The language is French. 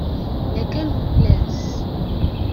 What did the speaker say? Lesquels vous plaisent ?